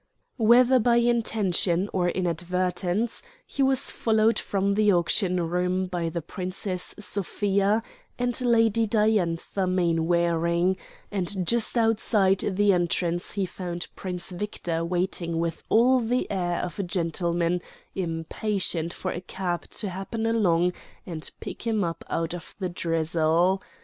Whether by intention or inadvertence, he was followed from the auction room by the Princess Sofia and Lady Diantha Mainwaring; and just outside the entrance he found Prince Victor waiting with all the air of a gentleman impatient for a cab to happen along and pick him up out of the drizzle.